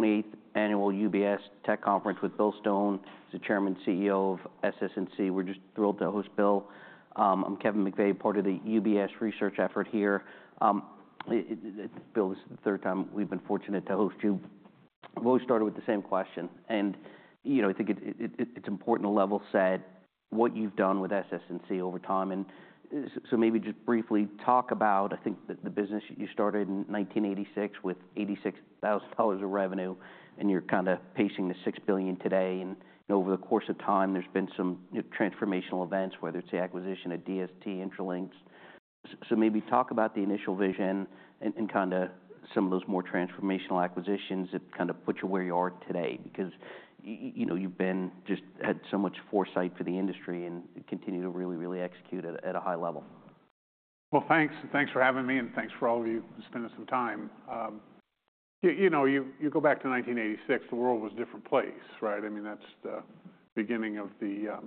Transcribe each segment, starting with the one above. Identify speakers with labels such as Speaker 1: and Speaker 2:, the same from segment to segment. Speaker 1: 28th annual UBS Tech Conference with Bill Stone. He's the Chairman and CEO of SS&C. We're just thrilled to host Bill. I'm Kevin McVeigh, part of the UBS research effort here. Bill, this is the third time we've been fortunate to host you. We always started with the same question. And I think it's important to level set what you've done with SS&C over time. And so maybe just briefly talk about, I think, the business you started in 1986 with $86,000 of revenue, and you're kind of pacing the $6 billion today. And over the course of time, there's been some transformational events, whether it's the acquisition of DST, Intralinks. So maybe talk about the initial vision and kind of some of those more transformational acquisitions that kind of put you where you are today, because you've just had so much foresight for the industry and continue to really, really execute at a high level.
Speaker 2: Thanks. Thanks for having me, and thanks for all of you spending some time. You go back to 1986. The world was a different place, right? I mean, that's the beginning of the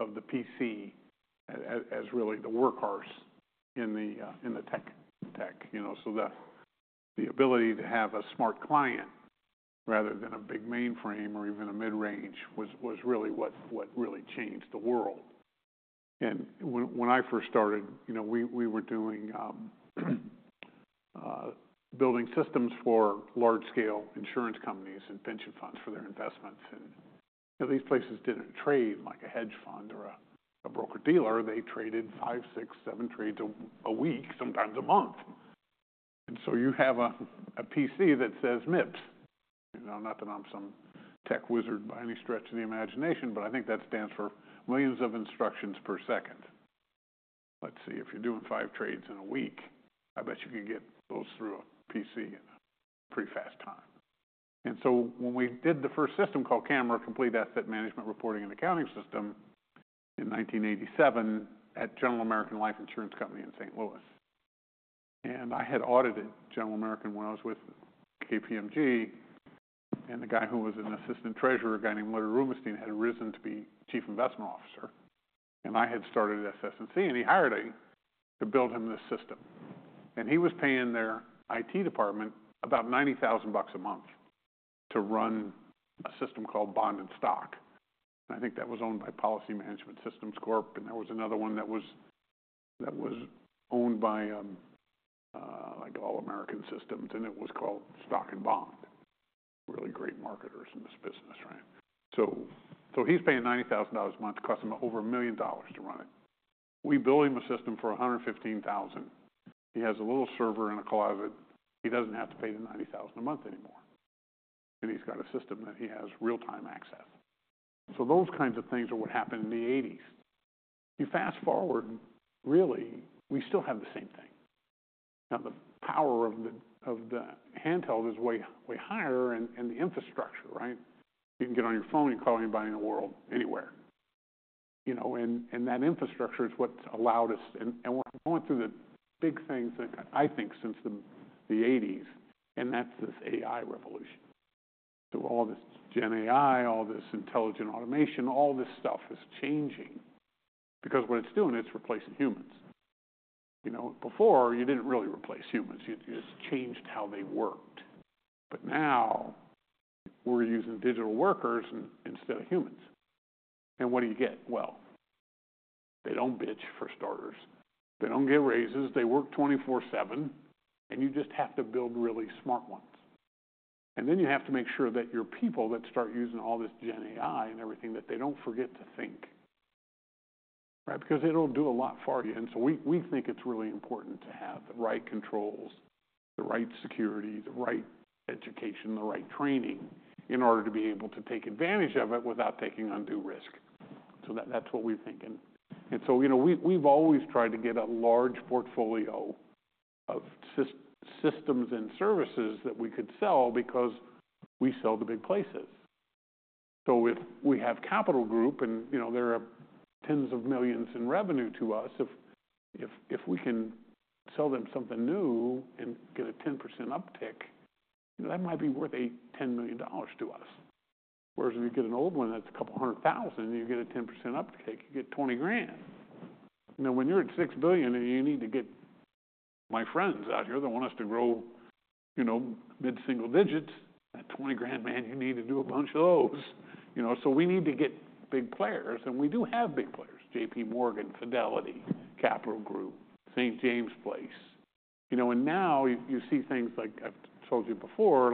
Speaker 2: PC as really the workhorse in the tech. So the ability to have a smart client rather than a big mainframe or even a mid-range was really what really changed the world. And when I first started, we were doing building systems for large-scale insurance companies and pension funds for their investments. And these places didn't trade like a hedge fund or a broker-dealer. They traded five, six, seven trades a week, sometimes a month. And so you have a PC that says MIPS. Not that I'm some tech wizard by any stretch of the imagination, but I think that stands for millions of instructions per second. Let's see, if you're doing five trades in a week, I bet you can get those through a PC in a pretty fast time. And so when we did the first system called CAMRA, Complete Asset Management Reporting and Accounting System, in 1987 at General American Life Insurance Company in St. Louis. And I had audited General American when I was with KPMG, and the guy who was an assistant treasurer, a guy named Leonard Rubenstein, had risen to be Chief Investment Officer. And I had started SS&C, and he hired me to build him this system. And he was paying their IT department about $90,000 a month to run a system called Bond and Stock. And I think that was owned by Policy Management Systems Corp. And there was another one that was owned by All American Systems, and it was called Stock and Bond. Really great marketers in this business, right? So he's paying $90,000 a month. It costs him over a million dollars to run it. We bill him a system for $115,000. He has a little server in a closet. He doesn't have to pay the $90,000 a month anymore. And he's got a system that he has real-time access. So those kinds of things are what happened in the '80s. You fast forward, really, we still have the same thing. Now, the power of the handheld is way higher and the infrastructure, right? You can get on your phone. You can call anybody in the world anywhere. And that infrastructure is what's allowed us, and we're going through the big things, I think, since the '80s, and that's this AI revolution. So all this GenAI, all this intelligent automation, all this stuff is changing because what it's doing, it's replacing humans. Before, you didn't really replace humans. You just changed how they worked. But now we're using digital workers instead of humans. And what do you get? Well, they don't bitch, for starters. They don't get raises. They work 24/7, and you just have to build really smart ones. And then you have to make sure that your people that start using all this GenAI and everything, that they don't forget to think, right? Because it'll do a lot for you. And so we think it's really important to have the right controls, the right security, the right education, the right training in order to be able to take advantage of it without taking undue risk. So that's what we're thinking. And so we've always tried to get a large portfolio of systems and services that we could sell because we sell to big places. So if we have Capital Group and they're tens of millions in revenue to us, if we can sell them something new and get a 10% uptick, that might be worth $10 million to us. Whereas if you get an old one that's a couple hundred thousand, you get a 10% uptick. You get 20 grand. Now, when you're at $6 billion and you need to get my friends out here that want us to grow mid-single digits, that $20 grand, man, you need to do a bunch of those. We need to get big players. We do have big players: JP Morgan, Fidelity, Capital Group, St. James’s Place. Now you see things like I've told you before,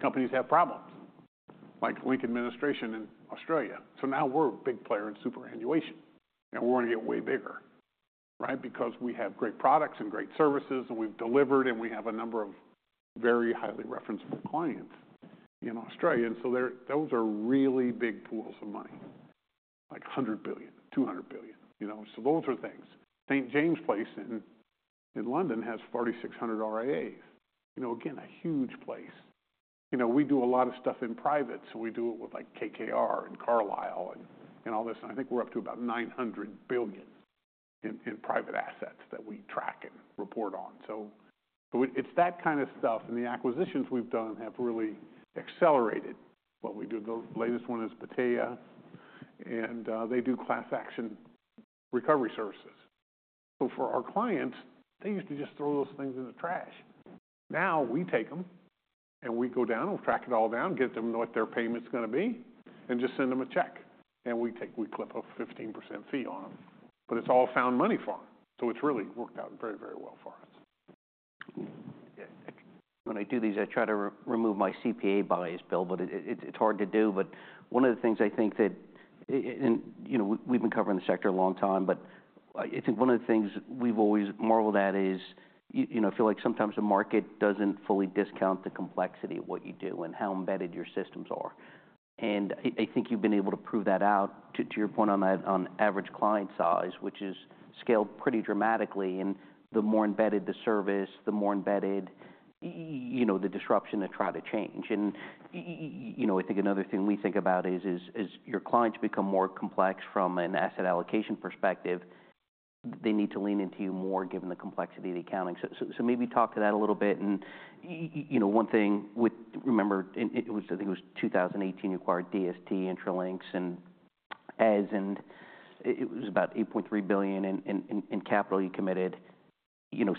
Speaker 2: companies have problems, like the Link Group in Australia. We're a big player in superannuation. We're going to get way bigger, right? Because we have great products and great services, and we've delivered, and we have a number of very highly referenceable clients in Australia. And so those are really big pools of money, like $100 billion, $200 billion. So those are things. St. James’s Place in London has 4,600 RIAs. Again, a huge place. We do a lot of stuff in private, so we do it with KKR and Carlyle and all this. And I think we're up to about $900 billion in private assets that we track and report on. So it's that kind of stuff. And the acquisitions we've done have really accelerated what we do. The latest one is Battea, and they do class action recovery services. So for our clients, they used to just throw those things in the trash. Now we take them and we go down, we track it all down, get them what their payment's going to be, and just send them a check, and we clip a 15% fee on them. But it's all found money for them, so it's really worked out very, very well for us.
Speaker 1: When I do these, I try to remove my CPA bias, Bill, but it's hard to do. But one of the things I think that we've been covering the sector a long time, but I think one of the things we've always marveled at is I feel like sometimes the market doesn't fully discount the complexity of what you do and how embedded your systems are. And I think you've been able to prove that out, to your point on average client size, which has scaled pretty dramatically. And the more embedded the service, the more embedded the disruption to try to change. And I think another thing we think about is your clients become more complex from an asset allocation perspective. They need to lean into you more given the complexity of the accounting. So maybe talk to that a little bit. One thing, remember, I think it was 2018 you acquired DST, Intralinks, and Eze, and it was about $8.3 billion in capital you committed.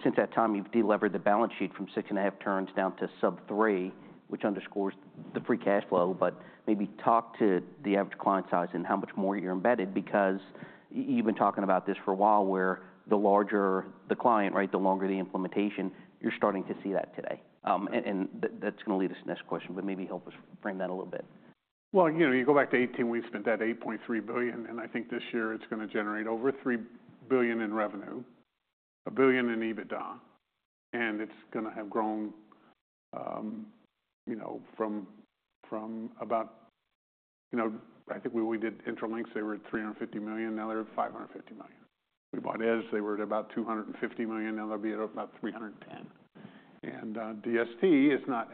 Speaker 1: Since that time, you've delivered the balance sheet from six and a half turns down to sub-three, which underscores the free cash flow. But maybe talk to the average client size and how much more you're embedded because you've been talking about this for a while where the larger the client, right, the longer the implementation, you're starting to see that today. And that's going to lead us to the next question, but maybe help us frame that a little bit.
Speaker 2: You go back to 2018, we spent that $8.3 billion. I think this year it's going to generate over $3 billion in revenue, $1 billion in EBITDA. It's going to have grown from about. I think when we did Intralinks, they were at $350 million. Now they're at $550 million. We bought Eze. They were at about $250 million. Now they'll be at about $310 million. DST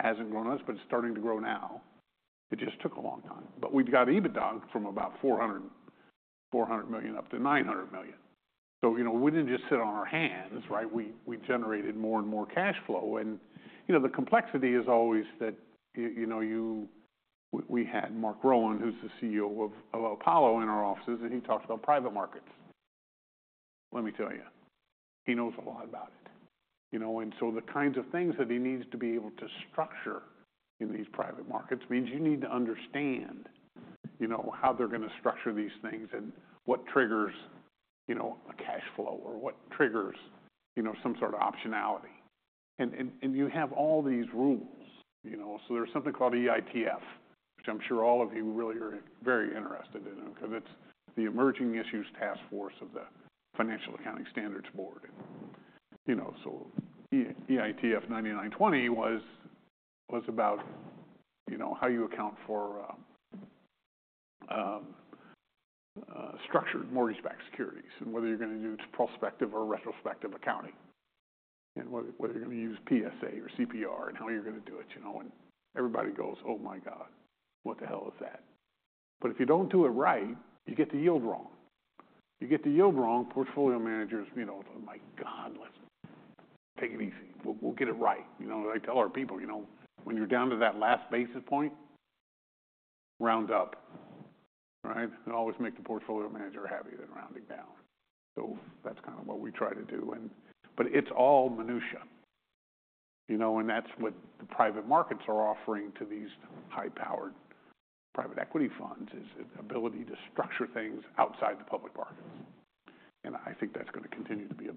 Speaker 2: hasn't grown as much, but it's starting to grow now. It just took a long time. We've got EBITDA from about $400 million up to $900 million. We didn't just sit on our hands, right? We generated more and more cash flow. The complexity is always that we had Marc Rowan, who's the CEO of Apollo, in our offices, and he talks about private markets. Let me tell you, he knows a lot about it. The kinds of things that he needs to be able to structure in these private markets means you need to understand how they're going to structure these things and what triggers a cash flow or what triggers some sort of optionality. You have all these rules. There's something called EITF, which I'm sure all of you really are very interested in because it's the Emerging Issues Task Force of the Financial Accounting Standards Board. EITF 99-20 was about how you account for structured mortgage-backed securities and whether you're going to do prospective or retrospective accounting and whether you're going to use PSA or CPR and how you're going to do it. Everybody goes, "Oh my God, what the hell is that?" If you don't do it right, you get the yield wrong. You get the yield wrong, portfolio managers, "Oh my God, let's take it easy. We'll get it right." I tell our people, "When you're down to that last basis point, round up," right? And always make the portfolio manager happy then rounding down. So that's kind of what we try to do. But it's all minutia. And that's what the private markets are offering to these high-powered private equity funds is the ability to structure things outside the public markets. And I think that's going to continue to be a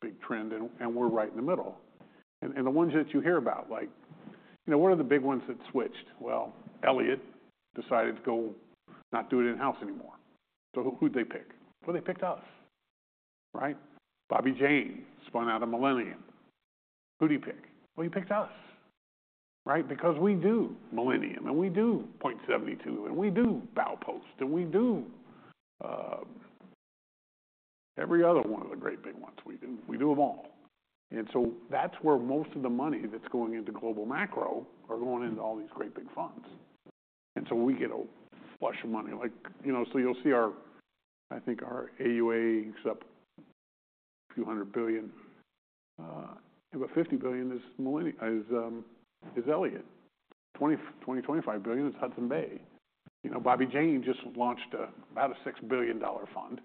Speaker 2: big trend. And we're right in the middle. And the ones that you hear about, what are the big ones that switched? Well, Elliott decided to go not do it in-house anymore. So who'd they pick? Well, they picked us, right? Bobby Jain spun out of Millennium. Who'd he pick? Well, he picked us, right? Because we do Millennium, and we do Point72, and we do Baupost, and we do every other one of the great big ones. We do them all, and so that's where most of the money that's going into global macro are going into all these great big funds. And so we get a flush of money, so you'll see our, I think our AUA except a few hundred billion. About $50 billion is Elliott. $20 billion-$25 billion is Hudson Bay. Bobby Jain just launched about a $6 billion fund.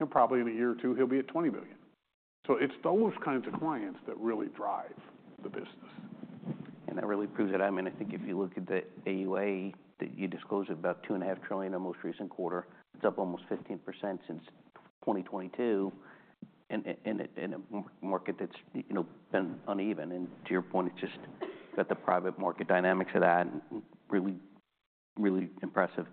Speaker 2: And probably in a year or two, he'll be at $20 billion. So it's those kinds of clients that really drive the business.
Speaker 1: That really proves it. I mean, I think if you look at the AUA that you disclosed about $2.5 trillion in the most recent quarter, it's up almost 15% since 2022 in a market that's been uneven. To your point, it's just got the private market dynamics of that, really, really impressive.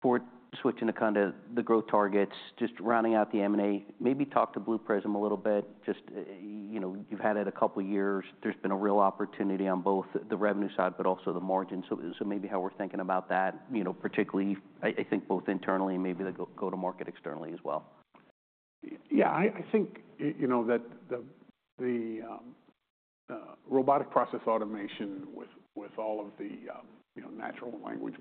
Speaker 1: For switching to kind of the growth targets, just rounding out the M&A, maybe talk to Blue Prism a little bit. Just you've had it a couple of years. There's been a real opportunity on both the revenue side, but also the margin. Maybe how we're thinking about that, particularly, I think both internally and maybe the go-to-market externally as well.
Speaker 2: Yeah. I think that the robotic process automation with all of the natural language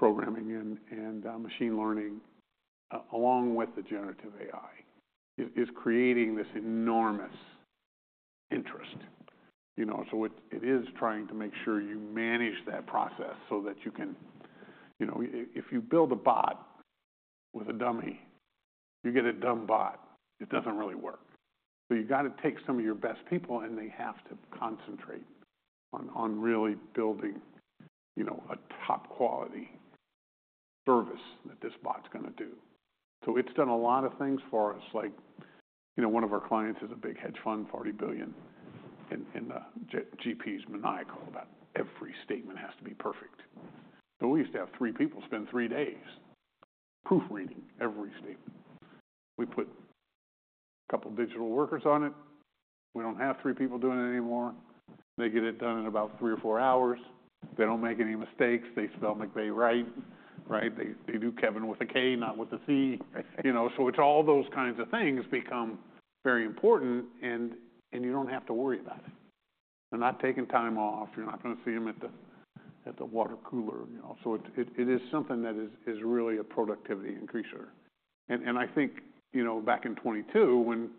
Speaker 2: programming and machine learning, along with the generative AI, is creating this enormous interest. So it is trying to make sure you manage that process so that you can if you build a bot with a dummy, you get a dumb bot. It doesn't really work. So you've got to take some of your best people, and they have to concentrate on really building a top-quality service that this bot's going to do. So it's done a lot of things for us. One of our clients is a big hedge fund, $40 billion. And GP's maniacal about every statement has to be perfect. So we used to have three people spend three days proofreading every statement. We put a couple of digital workers on it. We don't have three people doing it anymore. They get it done in about three or four hours. They don't make any mistakes. They spell McVeigh right, right? They do Kevin with a K, not with a C. So it's all those kinds of things become very important, and you don't have to worry about it. They're not taking time off. You're not going to see them at the water cooler. So it is something that is really a productivity increaser. And I think back in 2022, when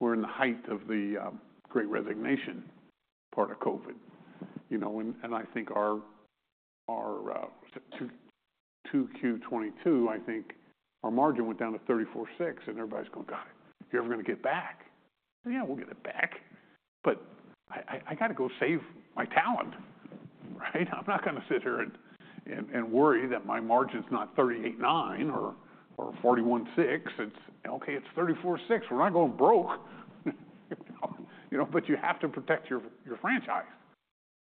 Speaker 2: we're in the height of the great resignation part of COVID, and I think our 2Q2022, I think our margin went down to 34.6, and everybody's going, "God, you're ever going to get it back?" So yeah, we'll get it back. But I got to go save my talent, right? I'm not going to sit here and worry that my margin's not 38.9 or 41.6. Okay, it's 34.6. We're not going broke. But you have to protect your franchise.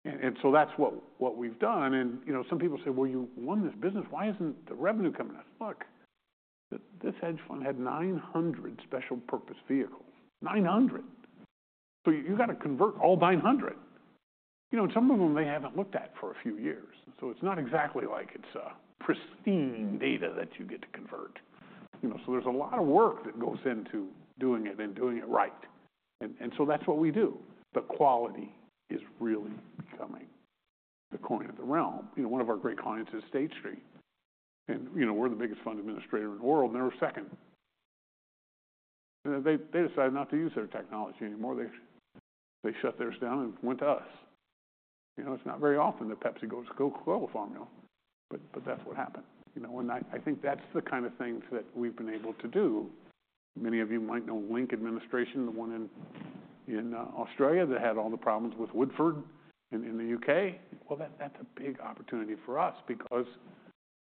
Speaker 2: And so that's what we've done. And some people say, "Well, you won this business. Why isn't the revenue coming out?" Look, this hedge fund had 900 special-purpose vehicles, 900. So you got to convert all 900. And some of them, they haven't looked at for a few years. So it's not exactly like it's pristine data that you get to convert. So there's a lot of work that goes into doing it and doing it right. And so that's what we do. The quality is really becoming the coin of the realm. One of our great clients is State Street. And we're the biggest fund administrator in the world, and they were second. They decided not to use their technology anymore. They shut theirs down and went to us. It's not very often that Pepsi goes to Coca-Cola with formula, but that's what happened. And I think that's the kind of things that we've been able to do. Many of you might know Link Administration, the one in Australia that had all the problems with Woodford in the U.K. Well, that's a big opportunity for us because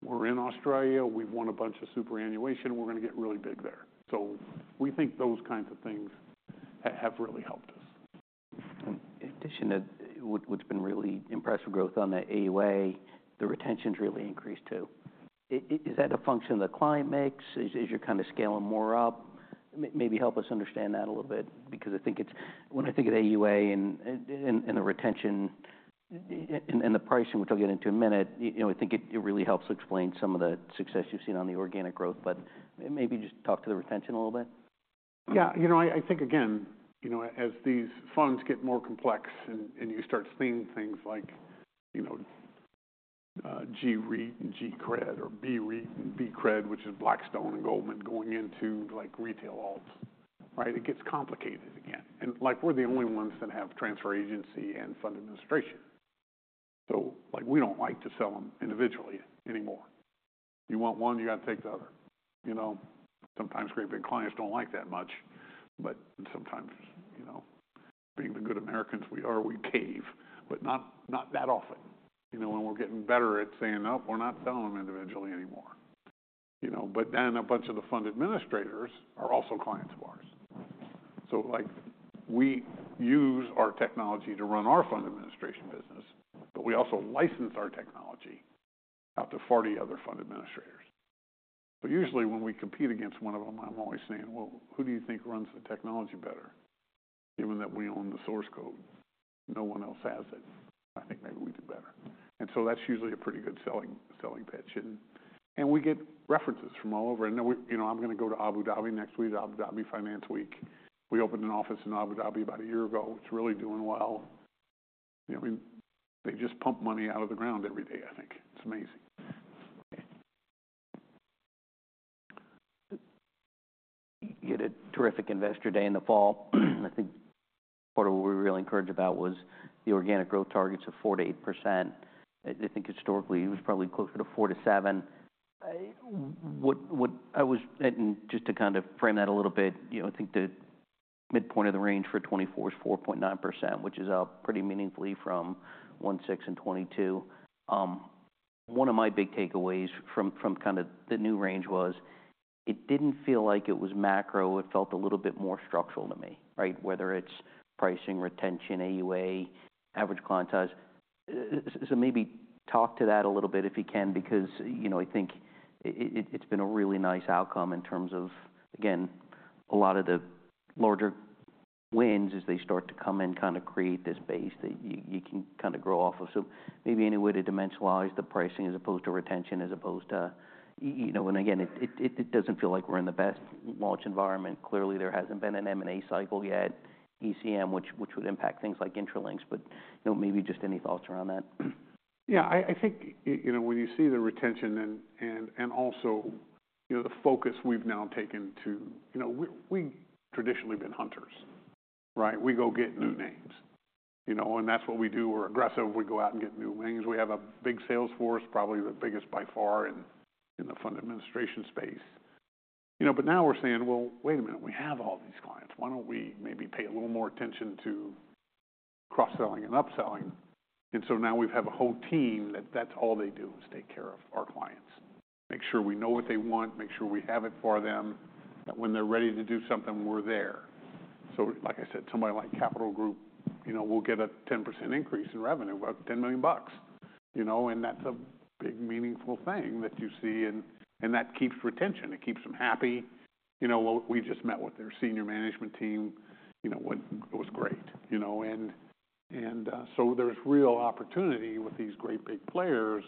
Speaker 2: we're in Australia. We've won a bunch of superannuation. We're going to get really big there. So we think those kinds of things have really helped us.
Speaker 1: In addition, what's been really impressive growth on the AUA, the retention's really increased too. Is that a function the client makes? Is your kind of scaling more up? Maybe help us understand that a little bit because I think when I think of AUA and the retention and the pricing, which I'll get into in a minute, I think it really helps explain some of the success you've seen on the organic growth. But maybe just talk to the retention a little bit.
Speaker 2: Yeah. I think, again, as these funds get more complex and you start seeing things like G-REIT and G-Cred or BREIT and BCRED, which is Blackstone and Goldman going into retail alts, right? It gets complicated again. And we're the only ones that have transfer agency and fund administration. So we don't like to sell them individually anymore. You want one, you got to take the other. Sometimes great big clients don't like that much. But sometimes, being the good Americans we are, we cave, but not that often. And we're getting better at saying, "Nope, we're not selling them individually anymore." But then a bunch of the fund administrators are also clients of ours. So we use our technology to run our fund administration business, but we also license our technology out to 40 other fund administrators. But usually, when we compete against one of them, I'm always saying, "Well, who do you think runs the technology better? Given that we own the source code, no one else has it. I think maybe we do better." And so that's usually a pretty good selling pitch. And we get references from all over. And I'm going to go to Abu Dhabi next week, Abu Dhabi Finance Week. We opened an office in Abu Dhabi about a year ago. It's really doing well. They just pump money out of the ground every day, I think. It's amazing.
Speaker 1: Okay. You had a terrific investor day in the fall. I think part of what we were really encouraged about was the organic growth targets of 4%-8%. I think historically, it was probably closer to 4-7. And just to kind of frame that a little bit, I think the midpoint of the range for 2024 is 4.9%, which is up pretty meaningfully from 2016 and 2022. One of my big takeaways from kind of the new range was it didn't feel like it was macro. It felt a little bit more structural to me, right? Whether it's pricing, retention, AUA, average client size. So maybe talk to that a little bit if you can because I think it's been a really nice outcome in terms of, again, a lot of the larger wins as they start to come and kind of create this base that you can kind of grow off of. So maybe any way to dimensionalize the pricing as opposed to retention as opposed to and again, it doesn't feel like we're in the best launch environment. Clearly, there hasn't been an M&A cycle yet, ECM, which would impact things like Intralinks. But maybe just any thoughts around that?
Speaker 2: Yeah. I think when you see the retention and also the focus we've now taken to we've traditionally been hunters, right? We go get new names. And that's what we do. We're aggressive. We go out and get new names. We have a big sales force, probably the biggest by far in the fund administration space. But now we're saying, "Well, wait a minute. We have all these clients. Why don't we maybe pay a little more attention to cross-selling and upselling?" And so now we have a whole team that that's all they do is take care of our clients, make sure we know what they want, make sure we have it for them, that when they're ready to do something, we're there. So like I said, somebody like Capital Group will get a 10% increase in revenue of about $10 million. And that's a big, meaningful thing that you see. And that keeps retention. It keeps them happy. We just met with their senior management team. It was great. And so there's real opportunity with these great big players.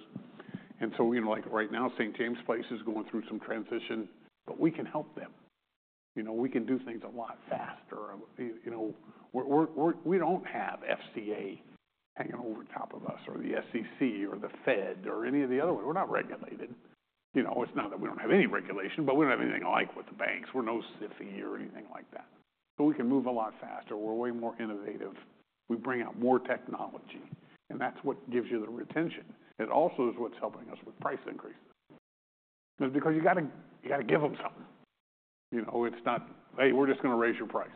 Speaker 2: And so right now, St. James’s Place is going through some transition, but we can help them. We can do things a lot faster. We don't have FCA hanging over top of us or the SEC or the Fed or any of the other ones. We're not regulated. It's not that we don't have any regulation, but we don't have anything like with the banks. We're no SIFI or anything like that. So we can move a lot faster. We're way more innovative. We bring out more technology. And that's what gives you the retention. It also is what's helping us with price increases because you got to give them something. It's not, "Hey, we're just going to raise your price."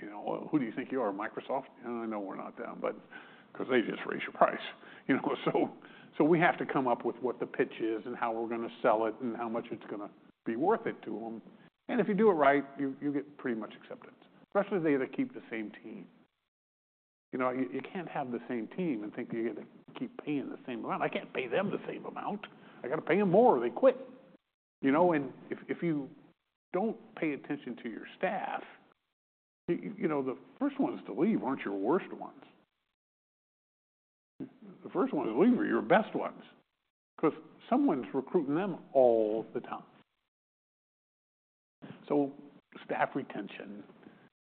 Speaker 2: Who do you think you are, Microsoft? I know we're not them, but because they just raise your price, so we have to come up with what the pitch is and how we're going to sell it and how much it's going to be worth it to them, and if you do it right, you get pretty much acceptance, especially if they either keep the same team. You can't have the same team and think you're going to keep paying the same amount. I can't pay them the same amount. I got to pay them more. They quit, and if you don't pay attention to your staff, the first ones to leave aren't your worst ones. The first ones to leave are your best ones because someone's recruiting them all the time. Staff retention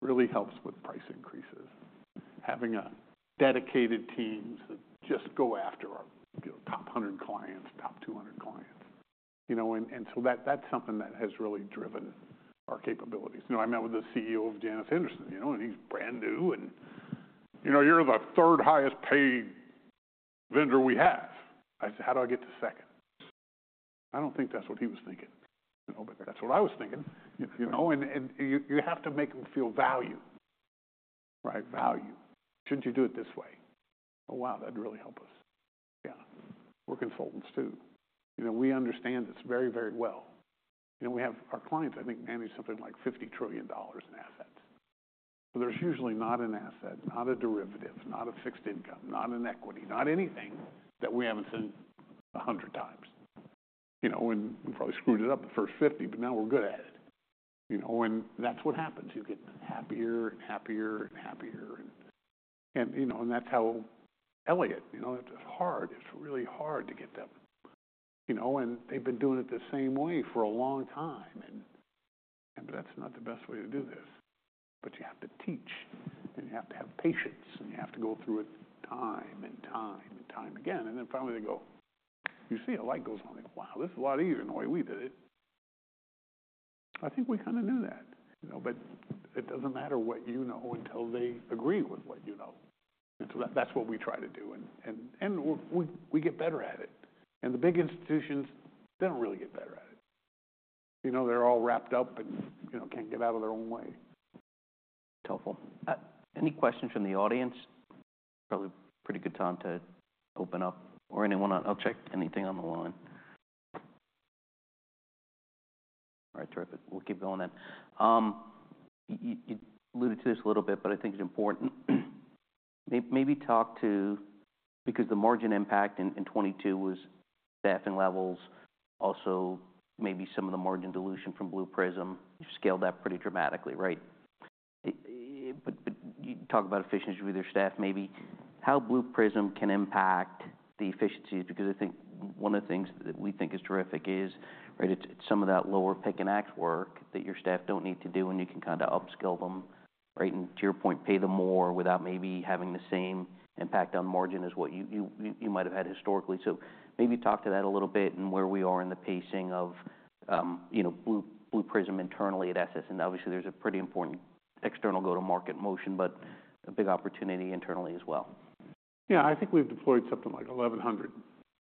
Speaker 2: really helps with price increases, having dedicated teams that just go after our top 100 clients, top 200 clients. That's something that has really driven our capabilities. I met with the CEO of Janus Henderson, and he's brand new. You're the third highest-paid vendor we have. I said, "How do I get to second?" I don't think that's what he was thinking. That's what I was thinking. You have to make them feel value, right? Value. Shouldn't you do it this way? Oh, wow. That'd really help us. Yeah. We're consultants too. We understand this very, very well. We have our clients, I think, manage something like $50 trillion in assets. But there's usually not an asset, not a derivative, not a fixed income, not an equity, not anything that we haven't seen 100 times. We probably screwed it up the first 50, but now we're good at it. And that's what happens. You get happier and happier and happier. And that's how Elliott. It's hard. It's really hard to get them. And they've been doing it the same way for a long time. And that's not the best way to do this. But you have to teach, and you have to have patience, and you have to go through it time and time and time again. And then finally, they go, "You see, a light goes on. Wow, this is a lot easier than the way we did it." I think we kind of knew that. But it doesn't matter what you know until they agree with what you know. And so that's what we try to do. And we get better at it. The big institutions, they don't really get better at it. They're all wrapped up and can't get out of their own way.
Speaker 1: That's helpful. Any questions from the audience? Probably a pretty good time to open up or anyone on the line. I'll check anything on the line. All right. Terrific. We'll keep going then. You alluded to this a little bit, but I think it's important. Maybe talk to because the margin impact in 2022 was staffing levels, also maybe some of the margin dilution from Blue Prism. You've scaled that pretty dramatically, right? But you talk about efficiency with your staff, maybe how Blue Prism can impact the efficiencies because I think one of the things that we think is terrific is, right, it's some of that lower pick-and-shovel work that your staff don't need to do, and you can kind of upskill them, right? And to your point, pay them more without maybe having the same impact on margin as what you might have had historically. Maybe talk to that a little bit and where we are in the pacing of Blue Prism internally at SS&C. Obviously, there's a pretty important external go-to-market motion, but a big opportunity internally as well.
Speaker 2: Yeah. I think we've deployed something like 1,100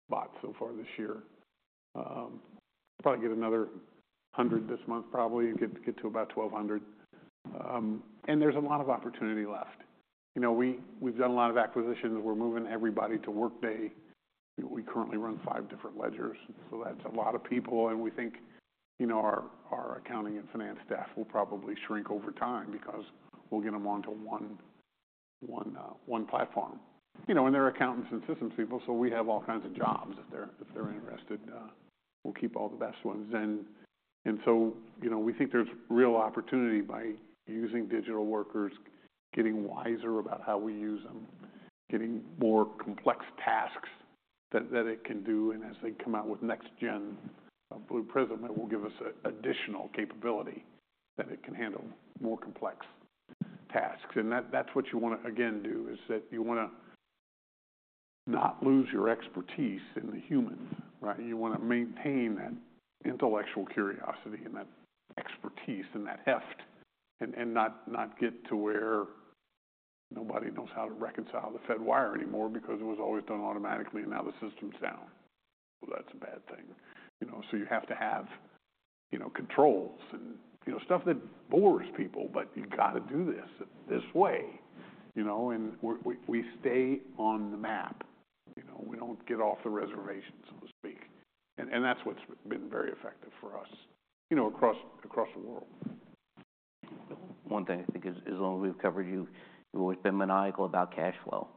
Speaker 2: bots so far this year. Probably get another 100 this month, probably get to about 1,200. And there's a lot of opportunity left. We've done a lot of acquisitions. We're moving everybody to Workday. We currently run five different ledgers. So that's a lot of people. And we think our accounting and finance staff will probably shrink over time because we'll get them onto one platform. And they're accountants and systems people, so we have all kinds of jobs if they're interested. We'll keep all the best ones. And so we think there's real opportunity by using digital workers, getting wiser about how we use them, getting more complex tasks that it can do. And as they come out with Next-Gen Blue Prism, it will give us additional capability that it can handle more complex tasks. And that's what you want to, again, do is that you want to not lose your expertise in the humans, right? You want to maintain that intellectual curiosity and that expertise and that heft and not get to where nobody knows how to reconcile the Fedwire anymore because it was always done automatically, and now the system's down. Well, that's a bad thing. So you have to have controls and stuff that bores people, but you got to do this this way. And we stay on the map. We don't get off the reservation, so to speak. And that's what's been very effective for us across the world.
Speaker 1: One thing I think is, as long as we've covered you, you've always been maniacal about cash flow.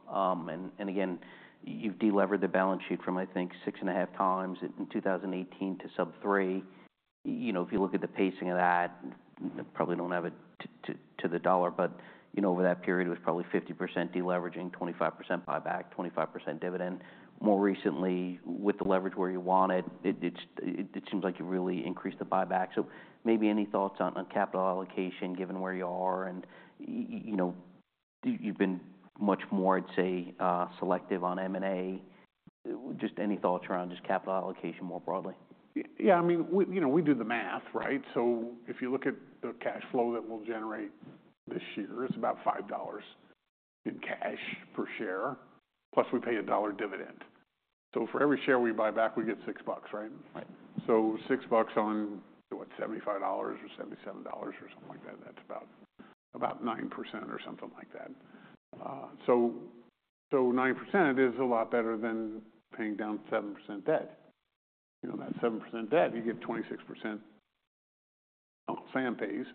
Speaker 1: And again, you've deleveraged the balance sheet from, I think, six and a half times in 2018 to sub-three. If you look at the pacing of that, probably don't have it to the dollar. But over that period, it was probably 50% deleveraging, 25% buyback, 25% dividend. More recently, with the leverage where you want it, it seems like you've really increased the buyback. So maybe any thoughts on capital allocation given where you are? And you've been much more, I'd say, selective on M&A. Just any thoughts around just capital allocation more broadly?
Speaker 2: Yeah. I mean, we do the math, right? So if you look at the cash flow that we'll generate this year, it's about $5 in cash per share, plus we pay a $1 dividend. So for every share we buy back, we get $6, right? So $6 on, what, $75-$77 or something like that, that's about 9% or something like that. So 9% is a lot better than paying down 7% debt. That 7% debt, you get 26% tax pays.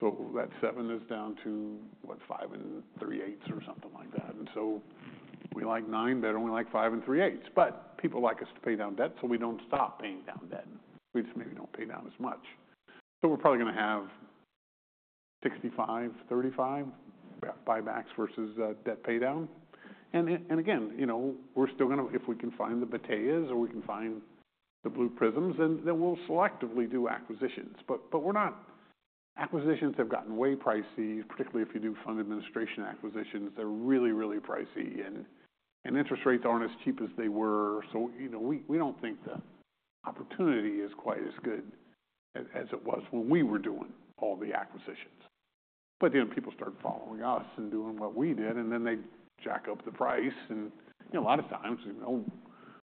Speaker 2: So that 7 is down to, what, 5.375 or something like that. And so we like 9, but we like 5.375. But people like us to pay down debt, so we don't stop paying down debt. We just maybe don't pay down as much. So we're probably going to have 65-35 buybacks versus debt paydown. And again, we're still going to, if we can find the Battea or we can find the Blue Prisms, then we'll selectively do acquisitions. But acquisitions have gotten way pricey, particularly if you do fund administration acquisitions. They're really, really pricey. And interest rates aren't as cheap as they were. So we don't think the opportunity is quite as good as it was when we were doing all the acquisitions. But then people started following us and doing what we did, and then they jack up the price. And a lot of times,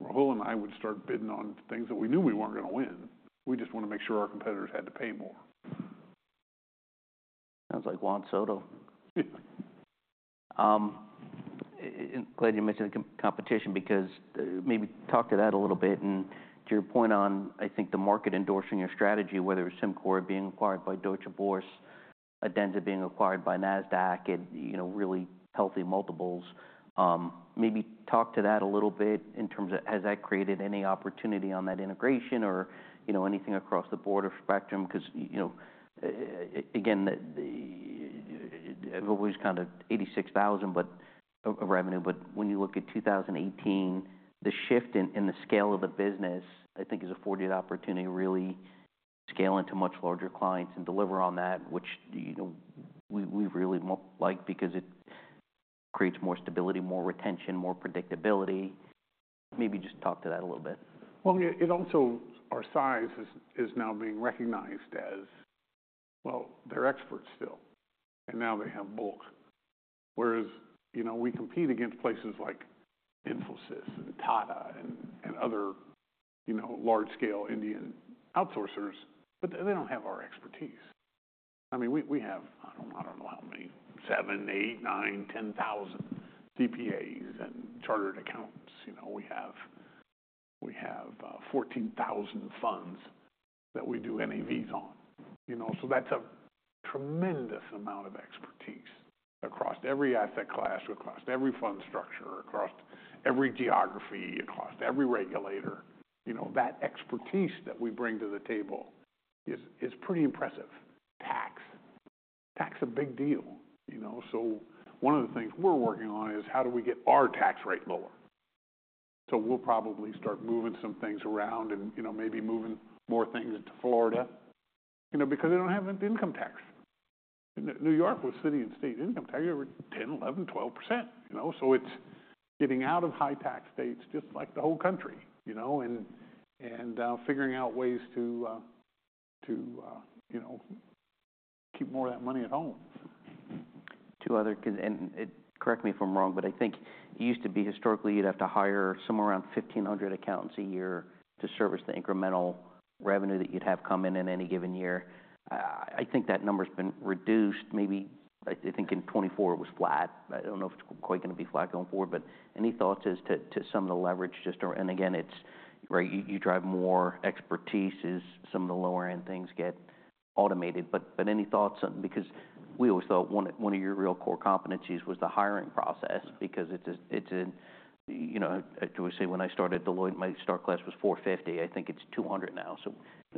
Speaker 2: Rahul and I would start bidding on things that we knew we weren't going to win. We just want to make sure our competitors had to pay more.
Speaker 1: Sounds like Juan Soto.
Speaker 2: Yeah.
Speaker 1: Glad you mentioned the competition because maybe talk to that a little bit, and to your point on, I think, the market endorsing your strategy, whether it's SimCorp being acquired by Deutsche Börse, Adenza being acquired by Nasdaq, really healthy multiples, maybe talk to that a little bit in terms of has that created any opportunity on that integration or anything across the board or spectrum? Because again, I've always kind of $86,000, but a revenue, but when you look at 2018, the shift in the scale of the business, I think, is a fortunate opportunity to really scale into much larger clients and deliver on that, which we really like because it creates more stability, more retention, more predictability. Maybe just talk to that a little bit.
Speaker 2: Well, it also, our size is now being recognized as, well, they're experts still. And now they have bulk. Whereas we compete against places like Infosys and Tata and other large-scale Indian outsourcers, but they don't have our expertise. I mean, we have, I don't know how many, seven, eight, nine, 10,000 CPAs and chartered accountants. We have 14,000 funds that we do NAVs on. So that's a tremendous amount of expertise across every asset class, across every fund structure, across every geography, across every regulator. That expertise that we bring to the table is pretty impressive. Tax is a big deal. So one of the things we're working on is how do we get our tax rate lower? So we'll probably start moving some things around and maybe moving more things into Florida because they don't have income tax. New York was city and state income tax. They were 10%, 11%, 12%. So it's getting out of high-tax states just like the whole country and figuring out ways to keep more of that money at home.
Speaker 1: Two other, and correct me if I'm wrong, but I think it used to be historically you'd have to hire somewhere around 1,500 accountants a year to service the incremental revenue that you'd have come in in any given year. I think that number's been reduced. Maybe I think in 2024 it was flat. I don't know if it's quite going to be flat going forward. But any thoughts as to some of the leverage just around? And again, it's right, you drive more expertise as some of the lower-end things get automated. But any thoughts? Because we always thought one of your real core competencies was the hiring process because it's a, do we say when I started Deloitte, my start class was 450. I think it's 200 now. So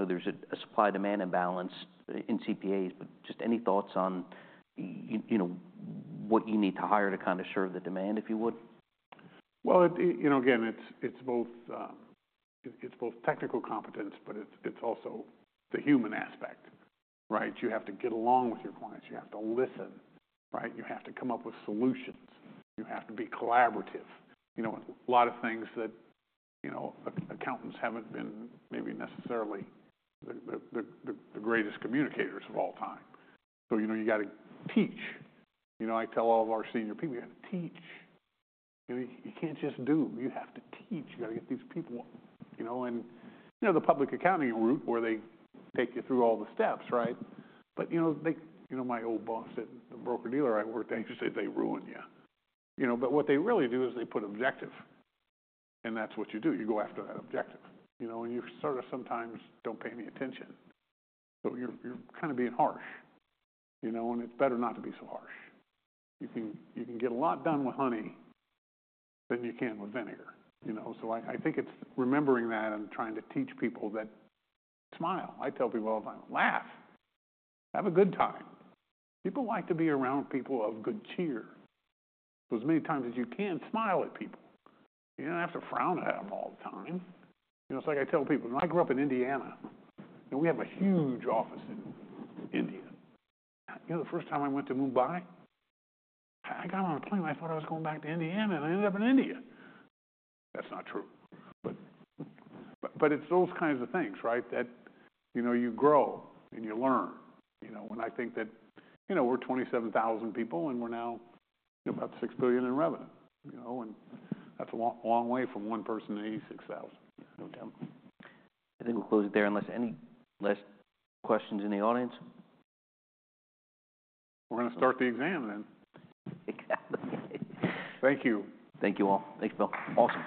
Speaker 1: there's a supply-demand imbalance in CPAs. But just any thoughts on what you need to hire to kind of serve the demand, if you would?
Speaker 2: Again, it's both technical competence, but it's also the human aspect, right? You have to get along with your clients. You have to listen, right? You have to come up with solutions. You have to be collaborative. A lot of things that accountants haven't been maybe necessarily the greatest communicators of all time. So you got to teach. I tell all of our senior people, you got to teach. You can't just do. You have to teach. You got to get these people. And the public accounting route where they take you through all the steps, right? But my old boss at the broker-dealer I worked at, he said they ruin you. But what they really do is they put objective. And that's what you do. You go after that objective. And you sort of sometimes don't pay any attention. So you're kind of being harsh. It's better not to be so harsh. You can get a lot done with honey than you can with vinegar. So I think it's remembering that and trying to teach people that smile. I tell people all the time, laugh. Have a good time. People like to be around people of good cheer. So as many times as you can smile at people. You don't have to frown at them all the time. It's like I tell people, I grew up in Indiana. We have a huge office in India. The first time I went to Mumbai, I got on a plane. I thought I was going back to Indiana, and I ended up in India. That's not true. But it's those kinds of things, right, that you grow and you learn. And I think that we're 27,000 people, and we're now about $6 billion in revenue. That's a long way from one person to 86,000.
Speaker 1: No doubt. I think we'll close it there unless any last questions in the audience?
Speaker 2: We're going to start the exam then.
Speaker 1: Exactly.
Speaker 2: Thank you.
Speaker 1: Thank you all. Thank you all. Awesome.